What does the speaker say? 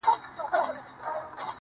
هـغــه اوس سيــمــي د تـــــه ځـــــي_